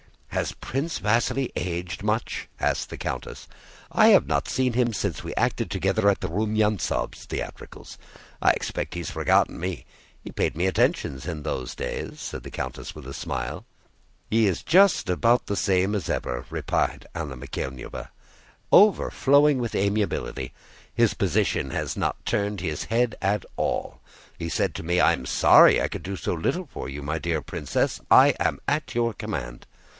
"Has Prince Vasíli aged much?" asked the countess. "I have not seen him since we acted together at the Rumyántsovs' theatricals. I expect he has forgotten me. He paid me attentions in those days," said the countess, with a smile. "He is just the same as ever," replied Anna Mikháylovna, "overflowing with amiability. His position has not turned his head at all. He said to me, 'I am sorry I can do so little for you, dear Princess. I am at your command.